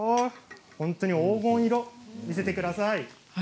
本当に黄金色、見せてください。